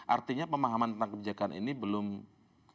artinya pemahaman tentang kebijakan ini belum